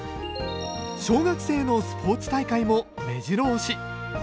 小学生のスポーツ大会もめじろ押し。